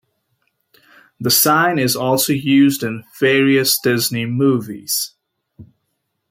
The sign is also used in various Disney movies.